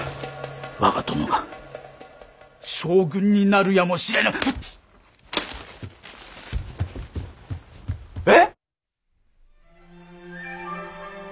我が殿が将軍になるやもしれぬ。え！？